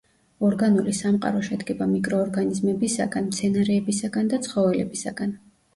ორგანული სამყარო შედგება მიკროორგანიზმებისაგან, მცენარეებისაგან და ცხოველებისაგან.